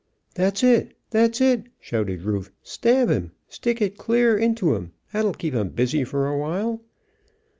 "That's it! That's it!" shouted Rufe. "Stab him! Stick it clear into him! That'll keep him busy for a while!"